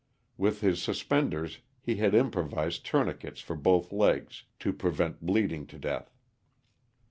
With his suspenders he had improvised tourniquets for both legs, to prevent bleeding to death.